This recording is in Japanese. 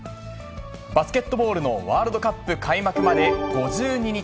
バスケットボールのワールドカップ開幕まで５２日。